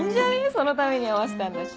そのために会わせたんだし。